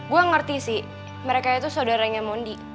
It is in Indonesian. gue ngerti sih mereka itu saudaranya mondi